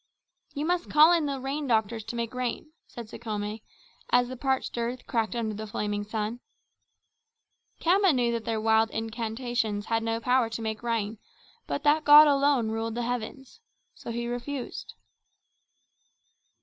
"You must call in the rain doctors to make rain," said Sekhome, as the parched earth cracked under the flaming sun. Khama knew that their wild incantations had no power to make rain, but that God alone ruled the heavens. So he refused.